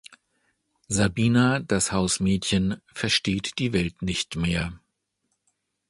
Sabina, das Hausmädchen, versteht die Welt nicht mehr.